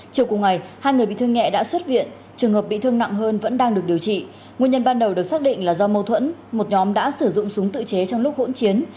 chiều cùng ngày hai người bị thương nhẹ đã xuất viện trường hợp bị thương nặng hơn vẫn đang được điều trị nguyên nhân ban đầu được xác định là do mâu thuẫn một nhóm đã sử dụng súng tự chế trong lúc hỗn chiến